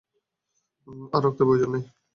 তার আর রক্তের প্রয়োজন নেই।